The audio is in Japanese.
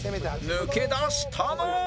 抜け出したのは